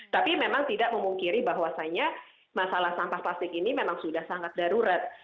tapi memang tidak memungkiri bahwasannya masalah sampah plastik ini memang sudah sangat darurat